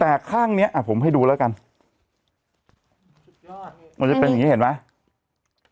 แต่ข้างเนี้ยอ่ะผมให้ดูแล้วกันยอดมันจะเป็นอย่างงี้เห็นไหม